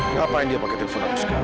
ngapain dia pake telepon aku sekarang